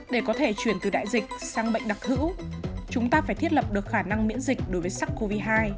để có thể chuyển từ đại dịch sang bệnh đặc hữu chúng ta phải thiết lập được khả năng miễn dịch đối với sars cov hai